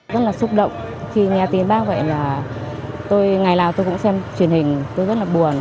rất là xúc động khi nghe tin bác vậy là tôi ngày nào tôi cũng xem truyền hình tôi rất là buồn